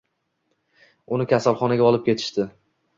Uni kasalxonaga olib ketishdi.